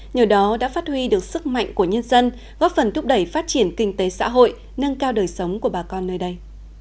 nhờ đó đã phát huy được sức mạnh của nhân dân góp phần thúc đẩy phát triển kinh tế xã hội nâng cao đời sống của bà con nơi đây